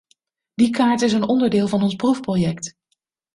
Die kaart is een onderdeel van ons proefproject.